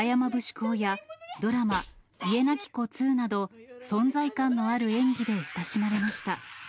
考やドラマ、家なき子２など、存在感のある演技で親しまれました。